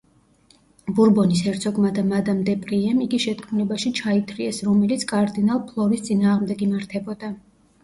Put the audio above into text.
ბურბონის ჰერცოგმა და მადამ დე პრიემ იგი შეთქმულებაში ჩაითრიეს, რომელიც კარდინალ ფლორის წინააღმდეგ იმართებოდა.